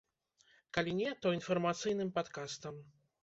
Калі не, то інфармацыйным падкастам.